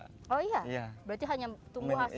oh iya berarti hanya tunggu hasil tani